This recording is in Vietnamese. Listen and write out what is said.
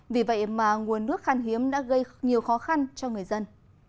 vì vậy mà nguồn nước khăn hiếm đã gây nhiều khó khăn cho người dân